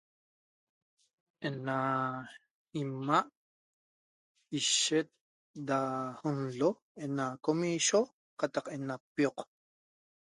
Ena imaa' ishet da unlo ena comisho qataq ena pioq